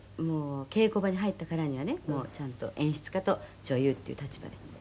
「もう稽古場に入ったからにはねちゃんと演出家と女優っていう立場で」